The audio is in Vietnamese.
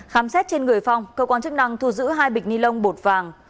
khám xét trên người phong cơ quan chức năng thu giữ hai bịch ni lông bột vàng